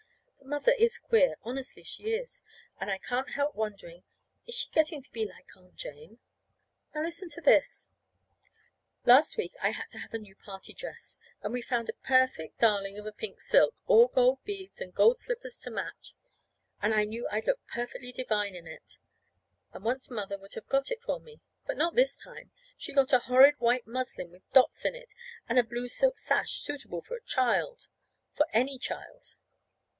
But Mother is queer. Honestly she is. And I can't help wondering is she getting to be like Aunt Jane? Now, listen to this: Last week I had to have a new party dress, and we found a perfect darling of a pink silk, all gold beads, and gold slippers to match. And I knew I'd look perfectly divine in it; and once Mother would have got it for me. But not this time. She got a horrid white muslin with dots in it, and a blue silk sash, suitable for a child for any child.